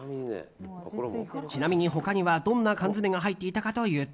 ちなみに他には、どんな缶詰が入っていたかというと。